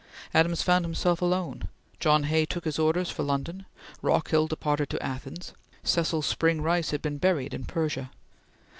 Adams found himself alone. John Hay took his orders for London. Rockhill departed to Athens. Cecil Spring Rice had been buried in Persia.